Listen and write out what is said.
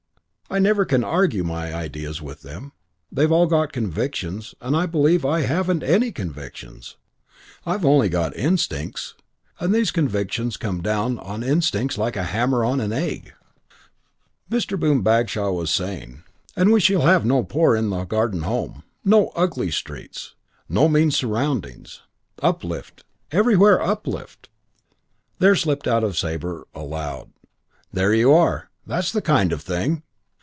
I never can argue my ideas with them. They've all got convictions and I believe I haven't any convictions. I've only got instincts and these convictions come down on instincts like a hammer on an egg." Mr. Boom Bagshaw was saying, "And we shall have no poor in the Garden Home. No ugly streets. No mean surroundings. Uplift. Everywhere uplift." There slipped out of Sabre aloud, "There you are. That's the kind of thing."